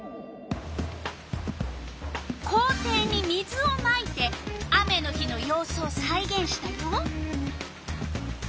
校庭に水をまいて雨の日のようすをさいげんしたよ。